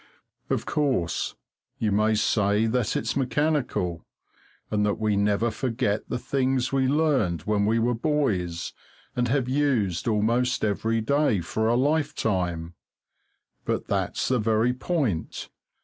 Of course, you may say that it's mechanical, and that we never forget the things we learned when we were boys and have used almost every day for a lifetime. But that's the very point.